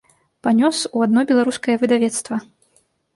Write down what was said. Панёс у адно беларускае выдавецтва.